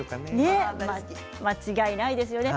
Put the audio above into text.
間違いないですね。